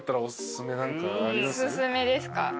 おすすめですか？